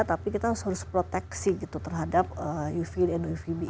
tapi kita harus proteksi gitu terhadap uv dan uvb